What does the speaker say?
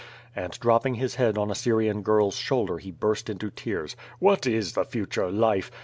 And dropping his head on a Syrian girl's shoulder he burst into tears. "What is the future life?